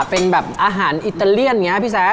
เป็นแบบอาหารอิตาเลียนไงพี่แซม